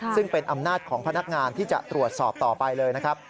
ซึ่งเป็นอำนาจของพนักงานที่จะตรวจสอบต่อไปเลยนะครับ